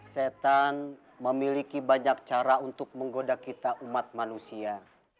setan memiliki banyak cara untuk menggoda kita umat manusia